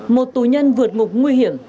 một tù nhân vượt ngục nguy hiểm